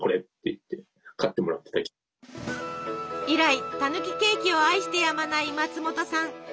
以来たぬきケーキを愛してやまない松本さん。